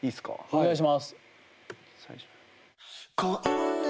お願いします。